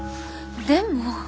でも。